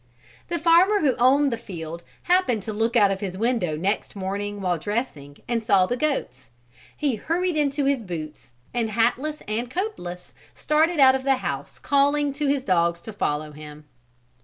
The farmer who owned the field happened to look out of his window next morning while dressing and saw the goats. He hurried into his boots, and hatless and coatless, started out of the house calling to his dogs to follow him.